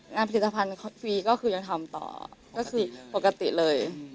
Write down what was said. ผลิตภัณฑ์ฟรีก็คือยังทำต่อก็คือปกติเลย